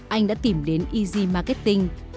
anh đã tìm đến easy marketing